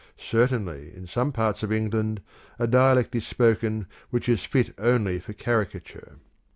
Certainly in some parts of England a dialect is spoken which is fit only for caricature.